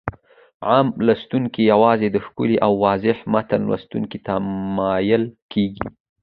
عام لوستونکي يوازې د ښکلي او واضح متن لوستلو ته مايل کېږي.